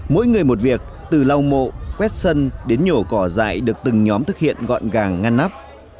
mỗi người một việc từ lau mộ quét sân đến nhổ cỏ dại được từng nhóm thực hiện gọn gàng ngăn nắp